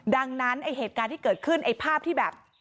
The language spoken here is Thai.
ดังนั้นไอ้เหตุการณ์ที่เกิดขึ้นไอ้ภาพที่แบบ